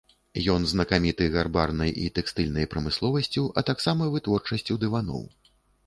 Ён знакаміты гарбарнай і тэкстыльнай прамысловасцю, а таксама вытворчасцю дываноў.